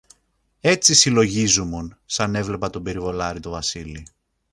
Έτσι συλλογίζουμουν σαν έβλεπα τον περιβολάρη τον Βασίλη